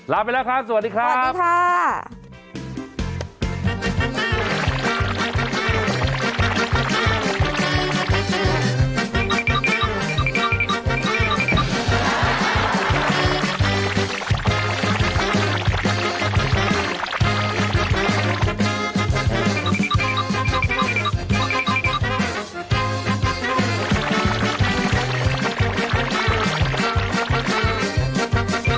ลาไปแล้วครับสวัสดีครับสวัสดีค่ะ